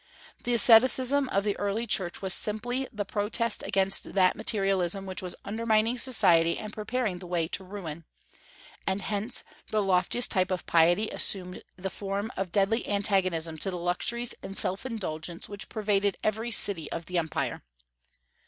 The asceticism of the early Church was simply the protest against that materialism which was undermining society and preparing the way to ruin; and hence the loftiest type of piety assumed the form of deadly antagonism to the luxuries and self indulgence which pervaded every city of the empire.